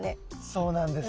そうなんですね。